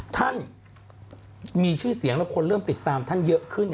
ท่านมีชื่อเสียงแล้วคนเริ่มติดตามท่านเยอะขึ้น